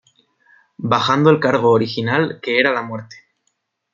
Bajando el cargo original, que era la muerte".